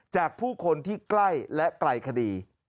จากผู้คนที่ใกล้และไกลคดี